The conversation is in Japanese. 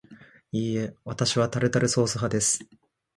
いいえ、わたしはタルタルソース派です